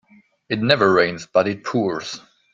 It never rains but it pours.